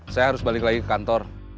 saya harus balik lagi ke kantor